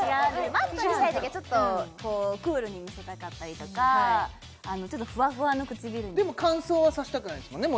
マットにしたいときはちょっとこうクールに見せたかったりとかちょっとふわふわの唇にでも乾燥はさせたくないですもんね